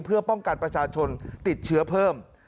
เพื่อป้องกันประชาชนติดเชื้อเพิ่ม